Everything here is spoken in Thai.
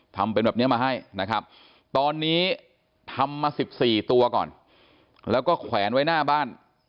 ทำเป็นแบบนี้มาให้นะครับตอนนี้ทำมา๑๔ตัวก่อนแล้วก็แขวนไว้หน้าบ้าน